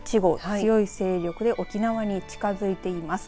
強い勢力で沖縄に近づいています。